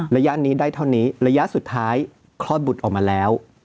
ระยะนี้ได้เท่านี้ระยะสุดท้ายคลอดบุตรออกมาแล้ว